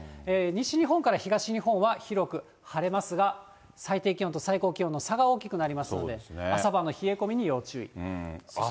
西日本から東日本は広く晴れますが、最低気温と最高気温の差が大きくなりますので、朝晩の冷え込みに要注意。